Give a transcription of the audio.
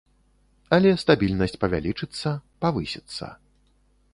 Але стабільнасць павялічыцца, павысіцца.